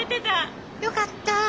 よかった。